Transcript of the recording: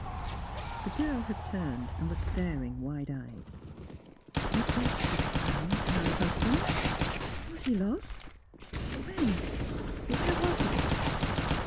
The girl had turned and was staring, wide eyed. " You say she found — her husband? "Was he lost? When — where was he?